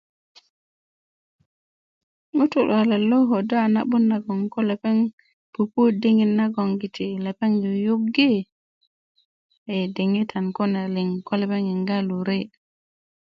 ŋutu luwalet lo kodo a na'but nagoŋ ko lepeŋ pupu diŋit na lepeŋ yuyugi i diŋitam kune liŋ ko lepeŋ yinga lure